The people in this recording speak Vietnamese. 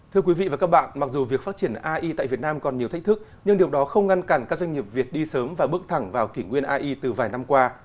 thưa quý vị và các bạn mặc dù việc phát triển ai tại việt nam còn nhiều thách thức nhưng điều đó không ngăn cản các doanh nghiệp việt đi sớm và bước thẳng vào kỷ nguyên ai từ vài năm qua